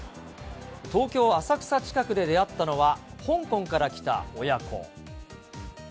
東京・浅草近くで出会ったのは、香港から来た親子。